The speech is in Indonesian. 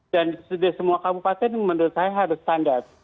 dan di semua kabupaten menurut saya harus standar